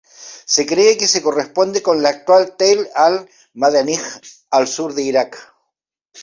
Se cree que se corresponde con la actual Tell al-Madineh, al sur de Irak.